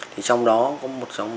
trong đó có một số thông tin